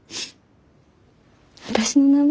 私の名前？